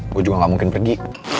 gue juga gak mungkin pergi